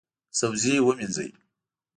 سبزي ومینځئ